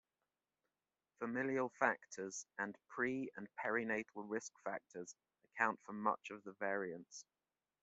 Familial factors and pre- and perinatal risk factors account for much of the variance.